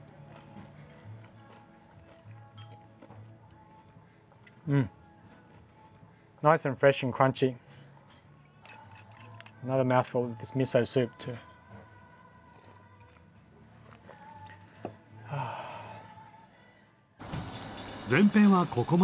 前編はここまで。